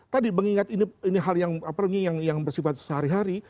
tadi mengingat ini hal yang bersifat sehari hari